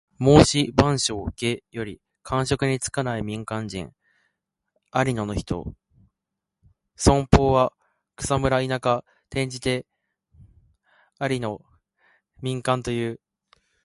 『孟子』「万章・下」より。官職に就かない民間人。在野の人。「草莽」は草むら・田舎。転じて在野・民間をいう。